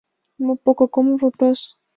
По какому вопросу?